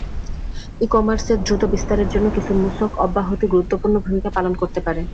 ই-কমার্সের দ্রুত বিস্তারের জন্য কিছু মূসক অব্যাহতি গুরুত্বপূর্ণ ভূমিকা পালন করতে পারে।